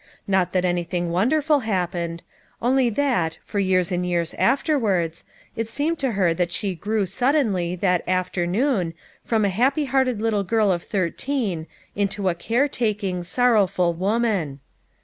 Not that any thing wonderful happened ; only that, for years and years afterwards, it seemed to her that she grew suddenly, that afternoon, from a happy hearted little girl of thirteen, into a care taking, sorrowful woman.